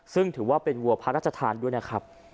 ซึ่งถือว่าเป็นวัวพระราชทานด้วยนะครับ